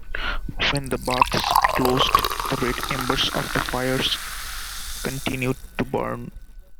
When the baths closed, the red embers of the fires continued to burn.